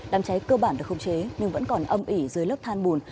đám cháy cơ bản được không chế nhưng vẫn còn âm ỉ dưới lớp than bùn